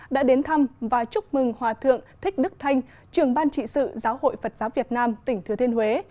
đã đến thăm và chúc mừng hòa thượng thích đức thanh trường ban trị sự giáo hội phật giáo việt nam tỉnh thừa thiên huế